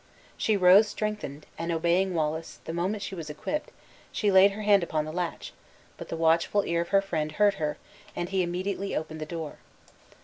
She rose strengthened, and, obeying Wallace, the moment she was equipped, she laid her hand upon the latch, but the watchful ear of her friend heard her, and he immediately opened the door.